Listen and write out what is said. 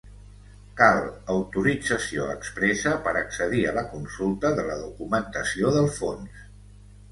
Cal autorització expressa per accedir a la consulta de la documentació del fons.